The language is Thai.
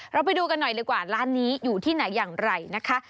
ไปดูกันหน่อยดีกว่าร้านนี้อยู่ที่ไหนอย่างไรนะคะ